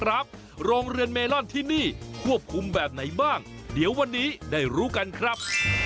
และส่วนของสวนมชาติโรงเรียนเมลอนที่นี่ควบคุมแบบไหนบ้างเดี๋ยววันนี้ได้รู้กันครับ